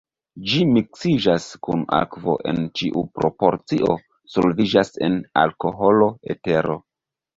Ĝi miksiĝas kun akvo en ĉiu proporcio, solviĝas en alkoholo, etero.